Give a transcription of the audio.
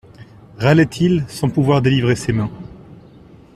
Râlait-il, sans pouvoir délivrer ses mains.